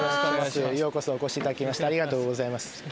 ようこそお越し頂きましてありがとうございます。